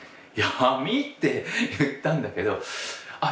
「闇？」って言ったんだけどあっ